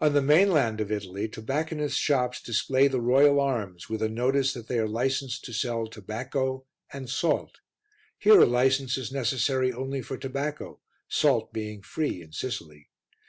On the mainland of Italy, tobacconists' shops display the Royal Arms with a notice that they are licensed to sell tobacco and salt. Here a license is necessary only for tobacco, salt being free in Sicily.